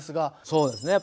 そうですね。